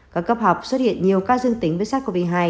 các cấp học xuất hiện nhiều ca dương tính với sars cov hai